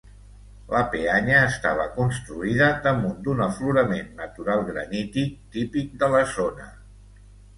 La peanya estava construïda damunt d'un aflorament natural granític típic de la zona.